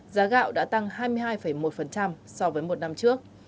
giá gạo đã tăng hai mươi hai một so với một năm trước